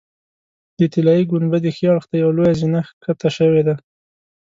د طلایي ګنبدې ښي اړخ ته یوه لویه زینه ښکته شوې ده.